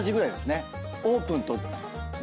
オープンと同時。